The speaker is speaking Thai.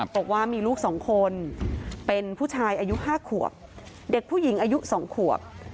บอกว่ามีลูก๒คนเป็นผู้ชายอายุ๕ขวบเด็กผู้หญิงอายุ๒ขวบ